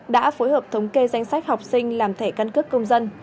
đã phối hợp thống kê danh sách học sinh làm thẻ căn cước công dân